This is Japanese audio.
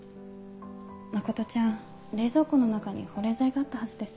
真ちゃん冷蔵庫の中に保冷剤があったはずです。